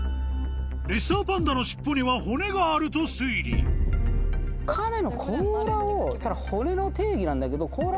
レッサーパンダのしっぽには骨があると推理カメのこうらを骨の定義なんだけど。